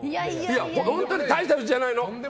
本当に大した家じゃないの。